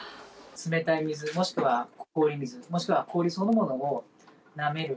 冷たい水、もしくは氷水もしくは氷そのものを、なめる。